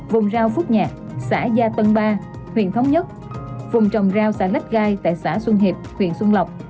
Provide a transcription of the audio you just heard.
vùng rau phúc nhạc xã gia tân ba huyện thống nhất vùng trồng rau xã lách gai tại xã xuân hịt huyện xuân lọc